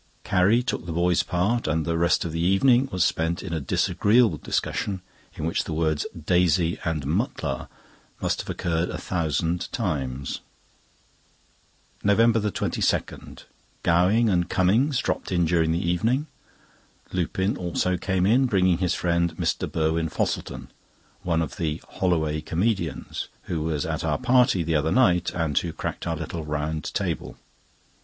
Carrie took the boy's part, and the rest of the evening was spent in a disagreeable discussion, in which the words "Daisy" and "Mutlar" must have occurred a thousand times. NOVEMBER 22.—Gowing and Cummings dropped in during the evening. Lupin also came in, bringing his friend, Mr. Burwin Fosselton—one of the "Holloway Comedians"—who was at our party the other night, and who cracked our little round table.